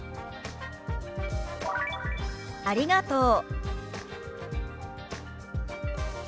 「ありがとう」。